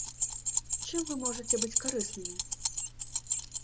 Чым вы можаце быць карыснымі?